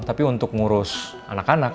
tapi untuk ngurus anak anak